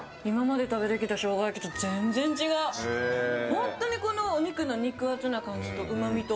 本当にお肉の肉厚な感じとうまみと。